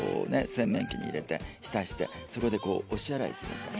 洗面器に入れて浸してそこで押し洗いするみたいな